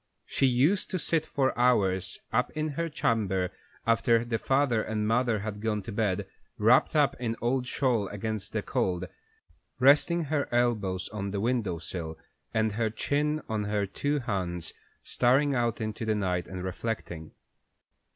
She used to sit for hours up in her chamber after her father and mother had gone to bed, wrapped up in an old shawl against the cold, resting her elbows on the window sill and her chin on her two hands, staring out into the night, and reflecting.